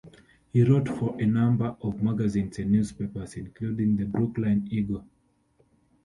He wrote for a number of magazines and newspapers, including the "Brooklyn Eagle".